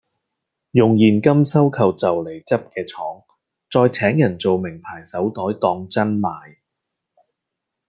用現金收購就黎執既廠，再請人造名牌手袋當真賣